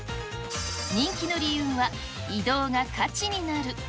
人気の理由は、移動が価値になる。